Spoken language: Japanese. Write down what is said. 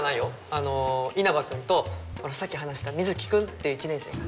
あの稲葉君とほらさっき話した水城君っていう１年生が。